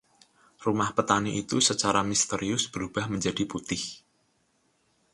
Rumah petani itu secara misterius berubah menjadi putih.